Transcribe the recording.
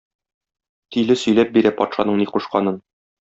Тиле сөйләп бирә патшаның ни кушканын.